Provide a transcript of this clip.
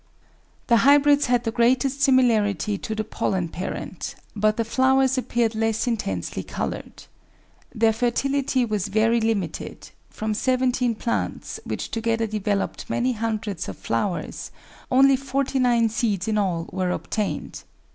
The hybrids had the greatest similarity to the pollen parent, but the flowers appeared less intensely coloured. Their fertility was very limited; from seventeen plants, which together developed many hundreds of flowers, only forty nine seeds in all were obtained.